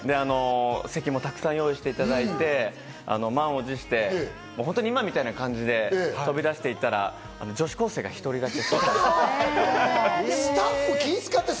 席もたくさん用意していただいて、満を持して、本当、今みたいな感じで、飛び出して行ったら女子高生が１人だけ。